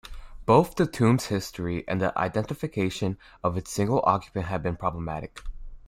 Both the tomb's history and the identification of its single occupant have been problematic.